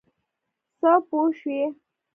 څه پوه شوې.